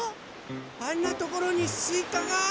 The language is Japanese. あんなところにすいかが！